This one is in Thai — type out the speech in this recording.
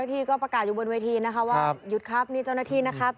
ที่ก็ประกาศอยู่บนเวทีนะคะว่าหยุดครับนี่เจ้าหน้าที่นะครับ